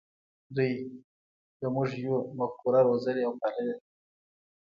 دوی د "موږ یو" مفکوره روزلې او پاللې ده.